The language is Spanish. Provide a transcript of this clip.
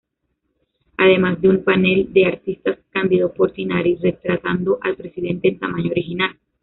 Además de un panel del Artista Cândido Portinari retratando al Presidente en tamaño original.